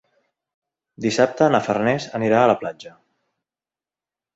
Dissabte na Farners anirà a la platja.